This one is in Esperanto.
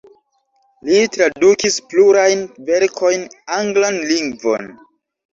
Li tradukis plurajn verkojn anglan lingvon.